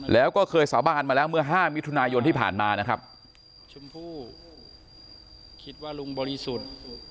แล้วก็เคยสาบานมาแล้วเมื่อห้ามิถุนายนที่ผ่านมานะครับชมพู่คิดว่าลุงบริสุทธิ์